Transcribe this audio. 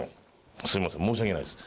すみません申し訳ないです。